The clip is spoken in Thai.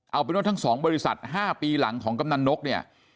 เอาเป็นว่าทั้ง๒บริษัท๕ปีหลังของกำนันนกเนี่ย